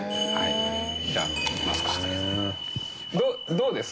どうです？